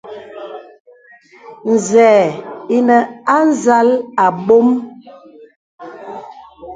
Zɛ̂ ìnə̀ à zàl àbɔ̄m.